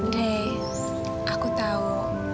dre aku tau